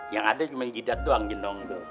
yang ada cuma jidat doang jenong tuh